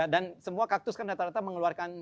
dan semua kaktus kan rata rata mengeluarkan